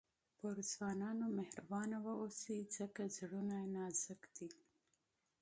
پر ځوانانو باندي مهربانه واوسئ؛ ځکه زړونه ئې نازک دي.